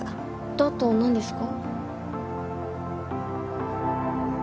だと何ですか？